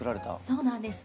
そうなんです。